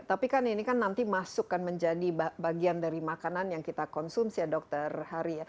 tapi kan ini kan nanti masukkan menjadi bagian dari makanan yang kita konsumsi ya dokter hari ya